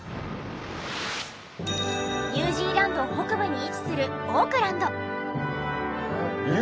ニュージーランド北部に位置するオークランド。